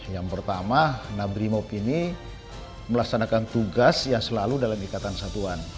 yang pertama nabrimob ini melaksanakan tugas yang selalu dalam ikatan satuan